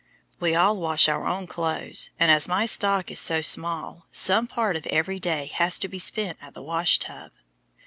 We all wash our own clothes, and as my stock is so small, some part of every day has to be spent at the wash tub.